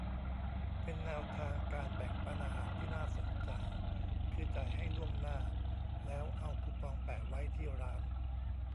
เป็นแนวทางการแบ่งปันอาหารที่น่าสนใจ คือ จ่ายให้ล่วงหน้า แล้วเอาคูปองแปะไว้ที่ร้าน